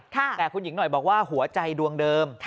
แต่คุณหญิงหน่อยบอกว่าหัวใจดวงเดิม